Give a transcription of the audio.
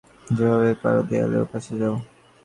যেভাবেই পারো দেয়ালের ওপাশে যাও।